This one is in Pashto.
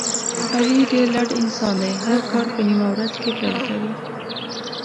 علي ډېر لټ انسان دی، هر کار په نیمه ورځ کې پیل کوي.